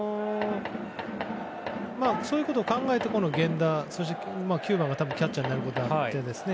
そういうことを考えてこの源田そして９番がキャッチャーになることは確定ですね。